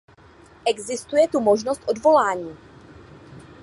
Existuje tu možnost odvolání.